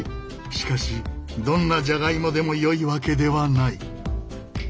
しかしどんなじゃがいもでもよいわけではない。